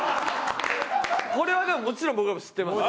これはでももちろん僕らも知ってます。